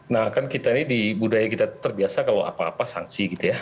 nah kan kita ini di budaya kita terbiasa kalau apa apa sanksi gitu ya